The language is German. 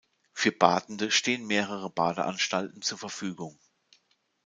Für Badende stehen mehrere Badeanstalten zur Verfügung.